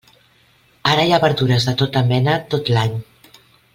Ara hi ha verdures de tota mena tot l'any.